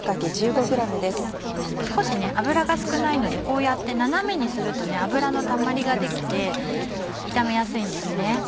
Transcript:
少し油が少ないのでこうやって斜めにすると油のたまりが出来て炒めやすいんですね。